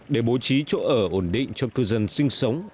để bố trí chỗ ở ổn định cho cư dân sinh sống